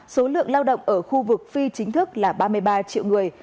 số lượng lao động ở khu vực phi chính thức là ba mươi ba triệu người